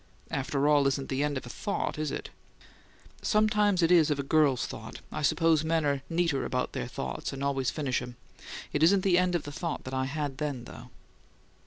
"'After all' isn't the end of a thought, is it?" "Sometimes it is of a girl's thought; I suppose men are neater about their thoughts, and always finish 'em. It isn't the end of the thought I had then, though."